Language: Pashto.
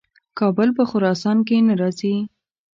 کابل په خراسان کې نه راځي.